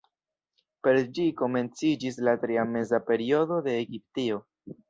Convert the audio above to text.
Per ĝi komenciĝis la Tria Meza Periodo de Egiptio.